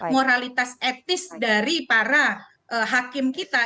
moralitas etis dari para hakim kita